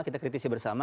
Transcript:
kita kritisi bersama